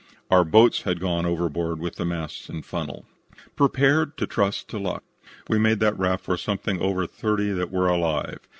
Our boats had gone overboard with the masts and funnel. PREPARED TO TRUST TO LUCK "We made that raft for something over thirty that were alive.